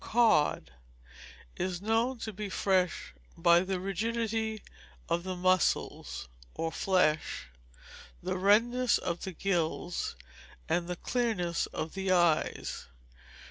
Cod is known to be fresh by the rigidity of the muscles (or flesh), the redness of the gills, and clearness of the eyes.